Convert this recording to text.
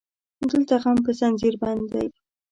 دلته غم په زنځير بند دی